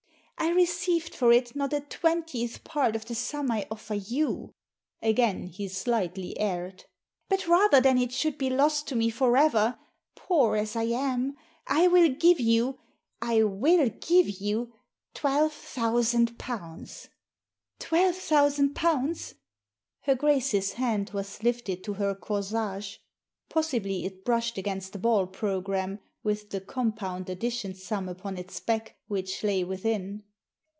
" I received for it not a twentieth part of the sum I offer you." Again he slightly erred. "But rather than it should be lost to me for ever, poor as I am, I will give you — I will give you — ^twelve thousand pounds." "Twelve thousand pounds!" Her Grace's hand was lifted to her corsage. Possibly it brushed against the ball programme, with the compound addition sum upon its back, which lay within.